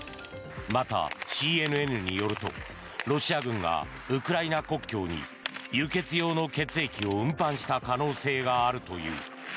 また、ＣＮＮによるとロシア軍がウクライナ国境に輸血用の血液を運搬した可能性があるという。